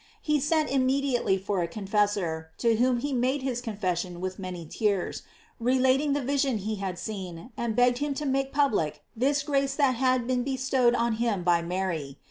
He sent immediately for a confessor, to whom he made his confession with many tears, relating the vision he had seen, and begged him to make public this grace that had been bestowed on him by Mary.